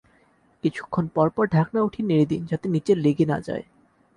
কিছুক্ষণ পরপর ঢাকনা উঠিয়ে নেড়ে দিন, যাতে নিচে লেগে না যায়।